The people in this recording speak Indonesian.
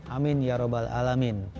amin ya rabbal alamin